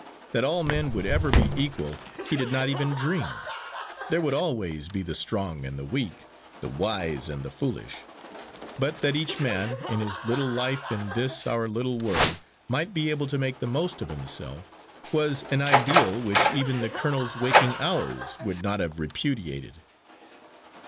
That all men would ever be equal he did not even dream; there would always be the strong and the weak, the wise and the foolish. But that each man, in his little life in this our little world might be able to make the most of himself, was an ideal which even the colonel's waking hours would not have repudiated.